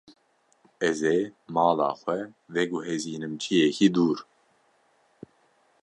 Ez ê mala xwe veguhezînim ciyekî dûr.